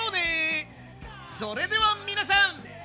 それでは皆さん。